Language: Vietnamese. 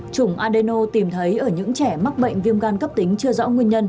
chủng andeno tìm thấy ở những trẻ mắc bệnh viêm gan cấp tính chưa rõ nguồn nhân